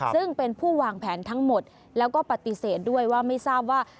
ซึ่งเป็นผู้วางแผนทั้งหมดแล้วก็ปฏิเสธด้วยว่าไม่ทราบว่า